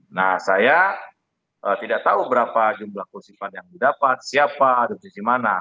nah saya tidak tahu berapa jumlah kursipan yang didapat siapa ada posisi mana